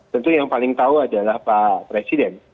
tentu yang paling tahu adalah pak presiden